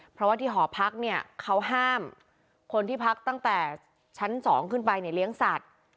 เพราะว่าที่หอพักเนี่ยเขาห้ามคนที่พักตั้งแต่ชั้น๒ขึ้นไปเนี่ยเลี้ยงสัตว์